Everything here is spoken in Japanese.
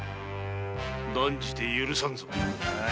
断じて許さんぞ何？